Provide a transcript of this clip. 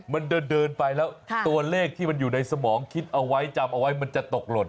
มันเดินไปแล้วตัวเลขที่มันอยู่ในสมองคิดเอาไว้จำเอาไว้มันจะตกหล่น